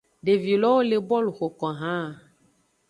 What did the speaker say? Devi lowo le bolu xoko haan.